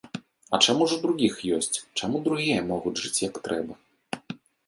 А чаму ж у другіх ёсць, чаму другія могуць жыць як трэба.